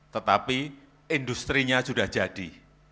tetapi industri nya sudah jadi